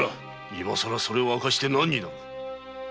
今さらそれを明かして何になる！